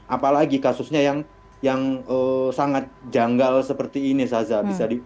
apalagi kasusnya yang sangat janggal seperti ini saza